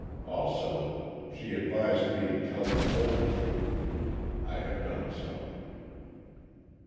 Also, she advised me to tell the whole truth. I have done so."